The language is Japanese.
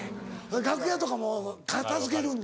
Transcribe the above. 楽屋とかも片付けるんだ。